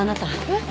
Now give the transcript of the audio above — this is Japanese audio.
えっ？